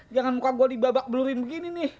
jangan muka gue dibabak belurin begini nih